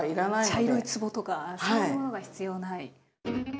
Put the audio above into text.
茶色いつぼとかそういうものが必要ない。